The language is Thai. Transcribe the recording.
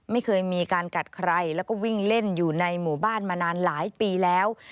ไม่เคยมีการกัดใครแล้วก็วิ่งเล่นอยู่ในหมู่บ้านมานานหลายปีแล้ว